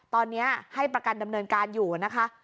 ตอนนี้ให้ประกันดำเนินการอยู่นะคะ